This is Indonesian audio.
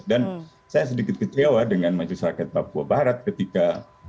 dan saya sedikit kecewa dengan majelis rakyat papua barat ketika